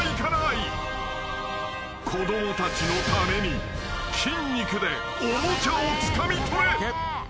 ［子供たちのために筋肉でおもちゃをつかみ取れ］